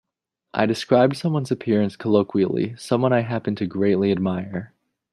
I described someone's appearance colloquially-someone I happen to greatly admire.